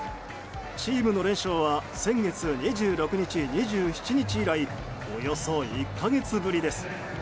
チームの連勝は先月２６日、２７日以来およそ１か月ぶりです。